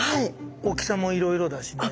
大きさもいろいろだしね。